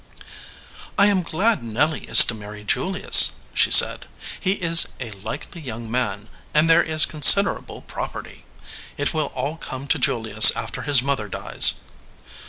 "I am glad Nelly is to marry Julius/ she said. "He is a likely young man, and there is consider able property. It will all come to Julius after his mother dies."